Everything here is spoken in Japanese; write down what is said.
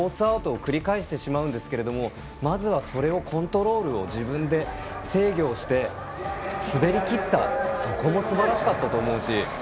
アウトを繰り返してしまうんですけどまずはそれをコントロールを自分で制御をして滑りきったのもすばらしかったと思うし。